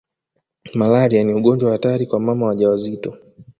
Malaria ni ugonjwa hatari kwa mama wajawazito